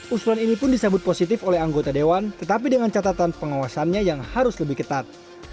usulan ini pun disambut positif oleh anggota dewan tetapi dengan catatan pengawasannya yang harus lebih ketat